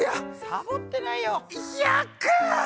サボってないよ。